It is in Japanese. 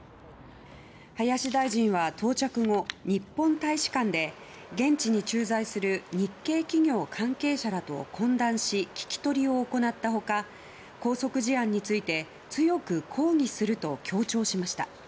林大臣は到着後日本大使館で現地に駐在する日系企業関係者らと懇談し聞き取りを行った他拘束事案について強く抗議すると強調しました。